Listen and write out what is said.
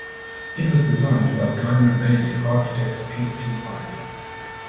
It was designed by Guymer Bailey Architects Pty.